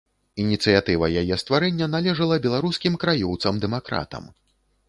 Ініцыятыва яе стварэння належала беларускім краёўцам-дэмакратам.